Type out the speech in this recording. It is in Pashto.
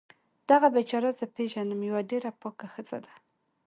دغه بیچاره زه پیږنم یوه ډیره پاکه ښځه ده